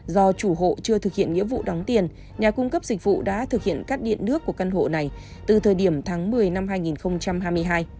do chủ hộ chưa thực hiện nghĩa vụ đóng tiền nhà cung cấp dịch vụ đã thực hiện cắt điện nước của căn hộ này từ thời điểm tháng một mươi năm hai nghìn hai mươi hai